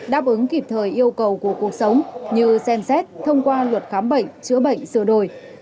đáp ứng kịp thời yêu cầu của cuộc sống như xem xét thông qua luật khám bệnh chữa bệnh sửa đổi